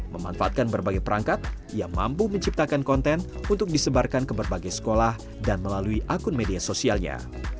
memanfaatkan berbagai perangkat ia mampu menciptakan konten untuk disebarkan ke berbagai sekolah dan melalui akun media sosialnya